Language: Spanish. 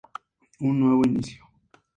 Un nuevo inicio.